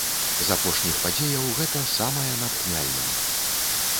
З апошніх падзеяў гэта самая натхняльная.